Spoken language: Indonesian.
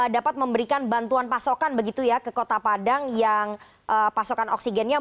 dapat memberikan bantuan pasokan begitu ya ke kota padang yang pasokan oksigennya